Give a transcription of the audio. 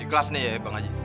ikhlas nih ya bang haji